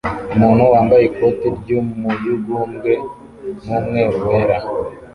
Umuntu wambaye ikoti ry'umuyugubwe n'umweru wera